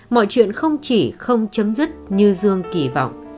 mọi chuyện không chỉ không chấm dứt như dương kỳ vọng